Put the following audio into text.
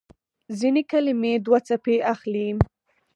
ځينې کلمې دوه څپې اخلي.